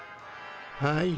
はい。